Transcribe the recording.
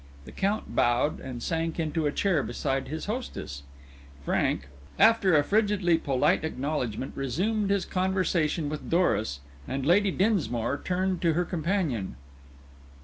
The Count bowed, and sank into a chair beside his hostess. Frank, after a frigidly polite acknowledgement, resumed his conversation with Doris, and Lady Dinsmore turned to her companion.